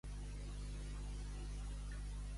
Al bo perquè t'honri i al roí perquè no et deshonri.